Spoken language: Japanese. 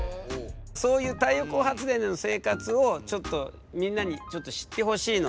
そういう太陽光発電での生活をみんなにちょっと知ってほしいので。